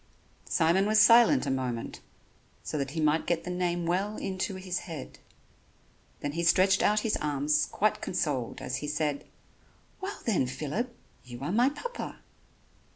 Simon was silent a moment so that he might get the name well into his head; then he stretched out his arms quite consoled as he said: "Well, then, Phillip, you are my Papa."